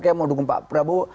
saya mau dukung pak prabowo